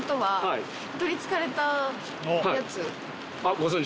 ご存じ？